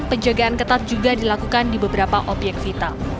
penjagaan ketat juga dilakukan di beberapa obyek vital